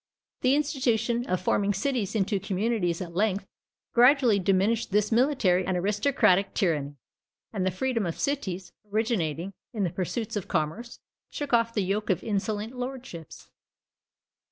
The institution of forming cities into communities at length gradually diminished this military and aristocratic tyranny; and the freedom of cities, originating in the pursuits of commerce, shook off the yoke of insolent lordships.